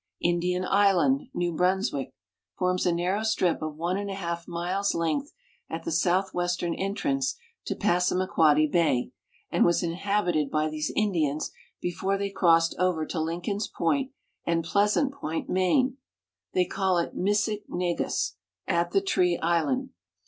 Indian island. New Brunswick, forms a narrow strip of one and a half miles' length at the southwestern entrance to Passamaquoddy bay, and was inhabited by these Indians before they crossed over to Lincoln's point and Pleasant point, Maine. They call it Misik negus, '' at the tree island."